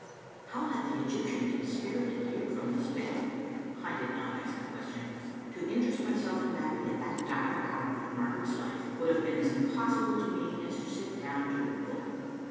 How had the Egyptian been spirited here from the Spittal? I did not ask the question. To interest my self in Babbie at that dire hour of Margaret's life would have been as impossible to me as to sit down to a book.